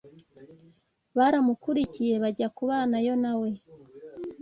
baramukurikiye bajya kubanayo na we.